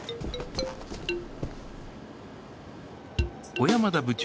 小山田部長